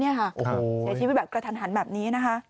เสียชีวิตกระทันหันแบบนี้นะคะ